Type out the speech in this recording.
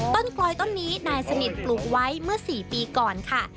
กลอยต้นนี้นายสนิทปลูกไว้เมื่อ๔ปีก่อนค่ะ